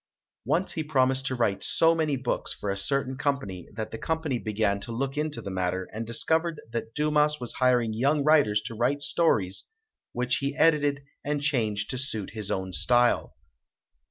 Once he promised to write so many books for a certain company that the company began to look into the matter, and discovered that Dumas was hiring young writers to write stories, which he edited and changed to suit his own style.